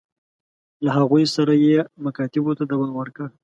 له هغوی سره یې مکاتبو ته دوام ورکړ.